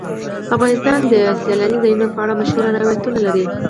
افغانستان د سیلاني ځایونو په اړه مشهور روایتونه لري.